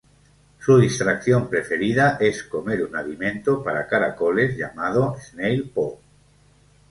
Su distracción preferida es comer un alimento para caracoles llamado Snail-Po.